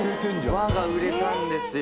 「和」が売れたんですよ。